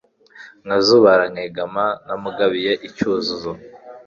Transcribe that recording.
Nkazubara nkegama Ntamugabiye icyuzuzo